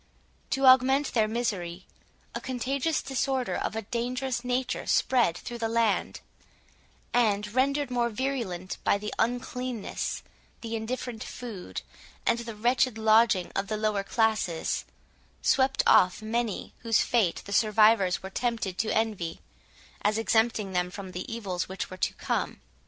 To augment their misery, a contagious disorder of a dangerous nature spread through the land; and, rendered more virulent by the uncleanness, the indifferent food, and the wretched lodging of the lower classes, swept off many whose fate the survivors were tempted to envy, as exempting them from the evils which were to come.